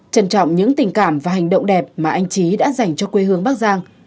trân trọng những tình cảm và hành động đẹp mà anh trí đã dành cho quê hương bắc giang